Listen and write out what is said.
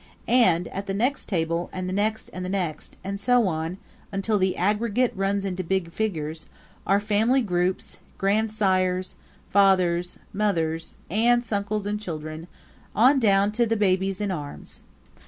And at the next table and the next and the next and so on, until the aggregate runs into big figures are family groups grandsires, fathers, mothers, aunts, uncles and children, on down to the babies in arms.